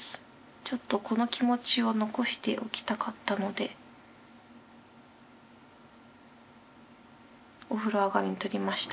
ちょっとこの気持ちを残しておきたかったのでお風呂上がりに撮りました。